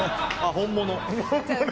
本物。